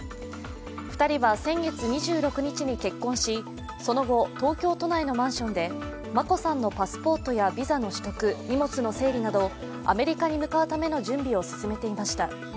２人は先月２６日に結婚し、その後、東京都内のマンションで眞子さんのパスポートやビザの取得、荷物の整理などアメリカに向かうための準備を進めていました。